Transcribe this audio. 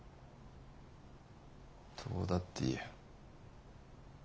どうだっていい。